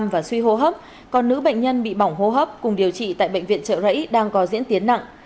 và suy hô hấp còn nữ bệnh nhân bị bỏng hô hấp cùng điều trị tại bệnh viện trợ rẫy đang có diễn tiến nặng